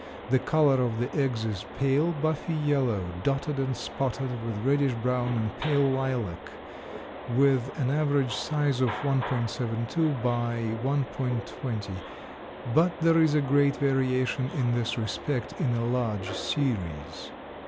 The color of the eggs is pale buffy yellow, dotted and spotted with reddish brown and pale lilac, with an average size of 1.72 × 1.20, but there is a great variation in this respect in a large series.